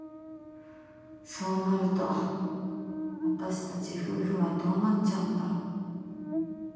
そうなると私たち夫婦はどうなっちゃうんだろ。